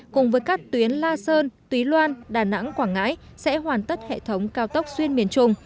cùng với các tuyến la sơn túy loan đà nẵng quảng ngãi sẽ hoàn tất hệ thống cao tốc xuyên miền trung